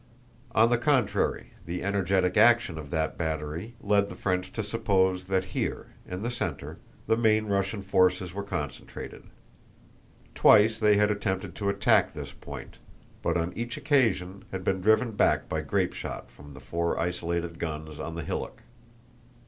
On the contrary, the energetic action of that battery led the French to suppose that here—in the center—the main Russian forces were concentrated. Twice they had attempted to attack this point, but on each occasion had been driven back by grapeshot from the four isolated guns on the hillock.